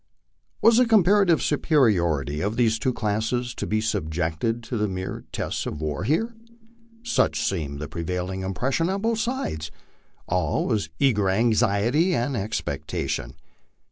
"Was the comparative superiority of these two classes to be subjected to the mere test of war here? Such seemed the prevailing impression on both sides. All was eager anxiety and expectation.